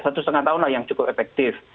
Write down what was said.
satu setengah tahun lah yang cukup efektif